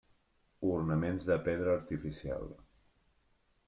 Ornaments de pedra artificial.